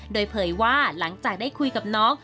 โดยเผยว่าหลังจากได้คุยกับน้อง